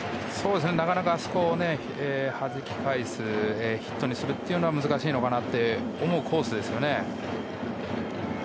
なかなかあそこをはじき返してヒットにするのは難しいのかなと思うコースですね。